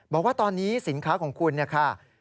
บอกว่าตอนนี้สินค้าของคุณเนี่ยค่ะ